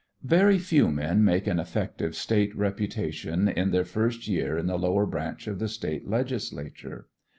Very few men make an effective State reputation in their first year in the lower branch of the State legislature.